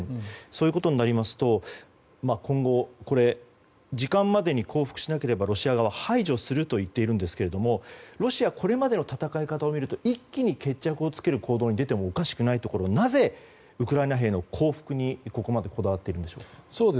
そういうことになりますと今後時間までに降伏しなければロシア側は排除すると言っているんですがロシア、これまでの戦い方を見ますと一気に決着をつける行動に出てもおかしくないところなぜ、ウクライナ兵の降伏にここまでこだわっているんでしょうか。